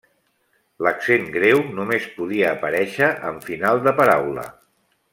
L'accent greu només podia aparèixer en final de paraula.